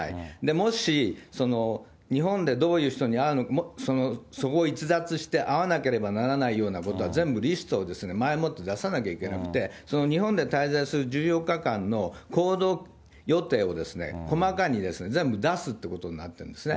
もし、日本でどういう人に会うか、そこを逸脱して会わなければいけないようなことは、全部リストを前もって出さなきゃいけなくて、日本で滞在する１４日間の行動予定を細かに全部出すってことになってるんですね。